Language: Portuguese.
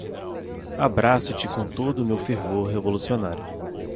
Abraço-te com todo o meu fervor revolucionário.